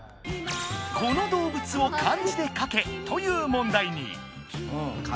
「この動物を漢字で書け」という問題に。